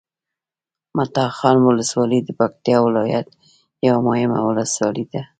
مټاخان ولسوالي د پکتیکا ولایت یوه مهمه ولسوالي ده